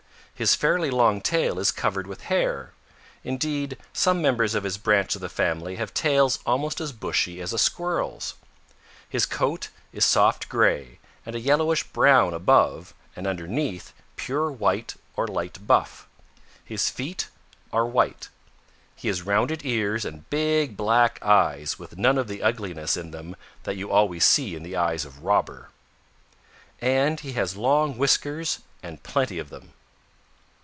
His fairly long tail is covered with hair. Indeed, some members of his branch of the family have tails almost as bushy as a Squirrel's. His coat is soft gray and a yellowish brown above, and underneath pure white or light buff. His feet are white. He has rounded ears and big black eyes with none of the ugliness in them that you always see in the eyes of Robber. And he has long whiskers and plenty of them."